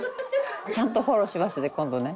ちゃんとフォローしますね今度ね。